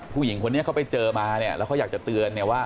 ผู้หญิงคนนี้เขาไปเจอมาเนี่ยแล้วเขาอยากจะเตือนเนี่ยว่า